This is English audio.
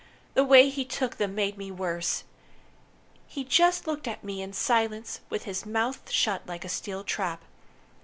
The way he took them made me worse. He just looked at me in silence, with his mouth shut like a steel trap.